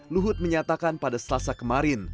luhut menyatakan pada selasa kemarin